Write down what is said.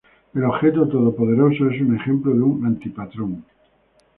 El objeto todopoderoso es un ejemplo de un anti-patrón.